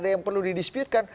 gak ada yang perlu di disputekan